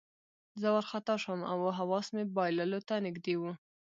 زه وارخطا شوم او حواس مې بایللو ته نږدې وو